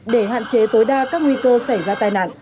để hạn chế tối đa các nguy cơ xảy ra tai nạn